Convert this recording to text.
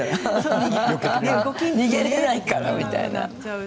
逃げられないからみたいな。